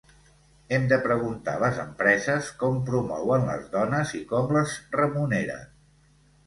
Hem de preguntar a les empreses com promouen les dones i com les remuneren.